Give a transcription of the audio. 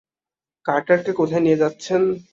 কার্টারকে কোথায় নিয়ে যাচ্ছেন?